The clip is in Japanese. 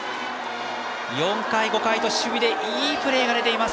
４回、５回と守備でいいプレーが出ています